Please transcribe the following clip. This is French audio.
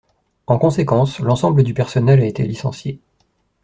En conséquence, l'ensemble du personnel a été licencié.